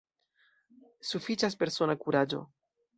Sufiĉas persona kuraĝo.